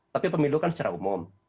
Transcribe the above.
tapi pemilu kan secara umum